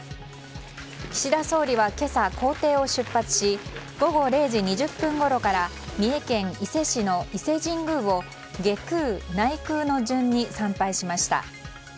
岸田総理は今朝、公邸を出発し午後０時２０分ごろから三重県伊勢市の伊勢神宮を下宮、内宮の順に参拝しました。